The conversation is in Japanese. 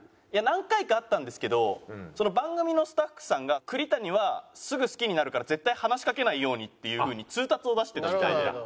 何回か会ったんですけど番組のスタッフさんが「栗谷はすぐ好きになるから絶対話しかけないように」っていう風に通達を出してたみたいで。